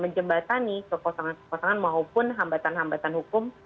hambatani sokosangan sokosangan maupun hambatan hambatan hukum